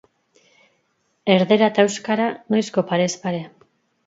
Erdera eta euskara noizko parez pare.